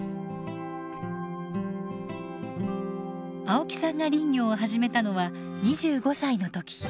青木さんが林業を始めたのは２５歳の時。